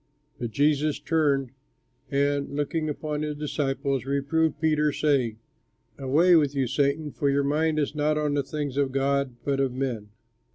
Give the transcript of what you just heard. But Jesus turned and, looking upon his disciples, reproved Peter, saying, "Away with you, Satan, for your mind is not on the things of God but of men."